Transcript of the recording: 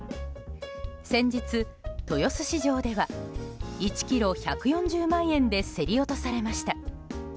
先日、豊洲市場では１ｋｇ１４０万円で競り落とされました。